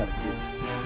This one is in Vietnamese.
đồng tất đồng lòng